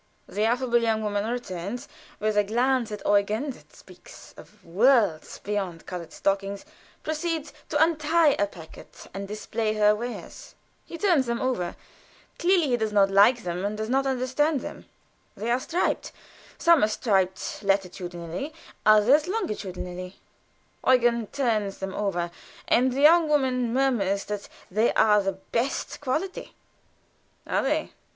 The affable young woman returns, and with a glance at Eugen that speaks of worlds beyond colored stockings, proceeds to untie a packet and display her wares. He turns them over. Clearly he does not like them, and does not understand them. They are striped; some are striped latitudinally, others longitudinally. Eugen turns them over, and the young woman murmurs that they are of the best quality. "Are they?"